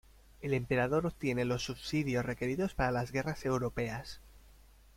El emperador obtiene los subsidios requeridos para las guerras europeas.